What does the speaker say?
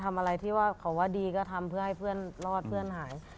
ทำอะไรที่ว่าเขาว่าดีก็ทำเพื่อให้เพื่อนรอดเพื่อนหาย